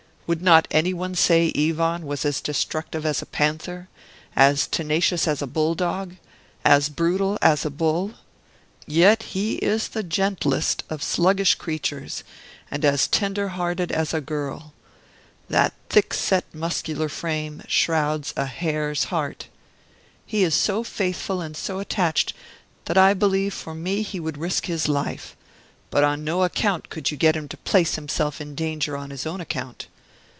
Would not anyone say Ivan was as destructive as a panther, as tenacious as a bull dog, as brutal as a bull? Yet he is the gentlest of sluggish creatures, and as tender hearted as a girl! That thick set muscular frame shrouds a hare's heart. He is so faithful and so attached that I believe for me he would risk his life; but on no account could you get him to place himself in danger on his own account.